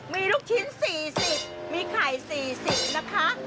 มีลูกชิ้นสี่สิบมีไข่สี่สิบนะคะ